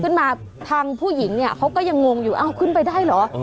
ทางผู้หญิงเนี่ยเขาก็ยังงงอยู่อ้าวขึ้นไปได้เหรอ